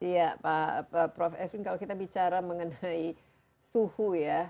ya prof evin kalau kita bicara mengenai suhu ya